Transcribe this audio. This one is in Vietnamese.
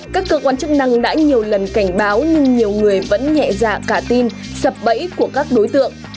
các cơ quan chức năng đã nhiều lần cảnh báo nhưng nhiều người vẫn nhẹ dạ cả tin sập bẫy của các đối tượng